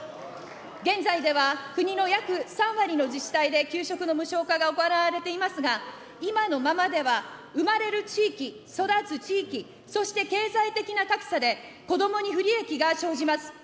現在では国の約３割の自治体で給食の無償化が行われていますが、今のままでは生まれる地域、育つ地域、そして経済的な格差で、子どもに不利益が生じます。